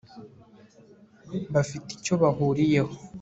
bafite icyo bahuriyeho